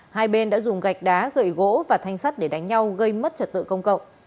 hai bên đã dùng gạch đá gậy gỗ và thanh sắt để đánh nhau gây mất trật tự công cộng